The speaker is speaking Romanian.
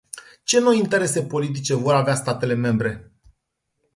Ce noi interese politice vor avea statele membre?